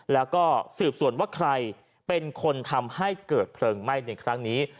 แล้วก็สืบสวนว่าใครเป็นคนทำให้เกิดเพลิงไหม้ในครั้งนี้